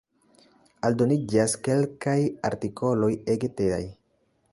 Aldoniĝas kelkaj artikoloj ege tedaj.